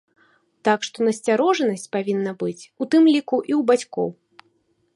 Так што насцярожанасць павінна быць у тым ліку і ў бацькоў.